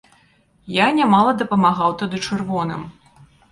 Я нямала дапамагаў тады чырвоным.